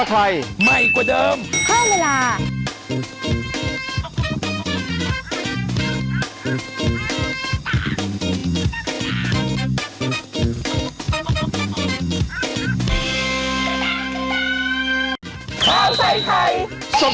จ่ายเยอะร้องเยอะจ่ายเยอะ